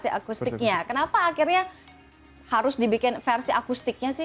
versi akustiknya kenapa akhirnya harus dibikin versi akustiknya sih